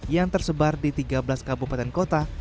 yang tersebar di tiga belas kabupaten kota